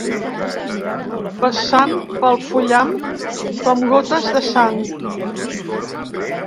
Vessant pel fullam com gotes de sang.